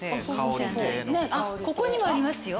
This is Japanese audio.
ここにもありますよ。